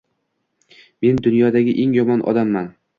Men dunyodagi eng yomon odamman.